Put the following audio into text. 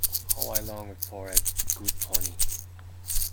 How I longed for a good pony!